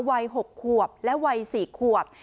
วัย๖ขวบและวัย๔ขวบ